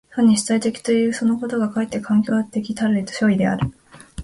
単に主体的ということそのことがかえって環境的たる所以である。